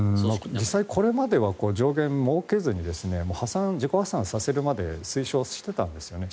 実際これまでは上限を設けずに自己破産させるまで推奨していたんですよね。